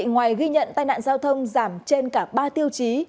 ngoài ghi nhận tai nạn giao thông giảm trên cả ba tiêu chí